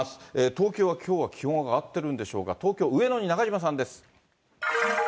東京はきょうは気温、上がってるんでしょうか、東京・上野に中島さんです。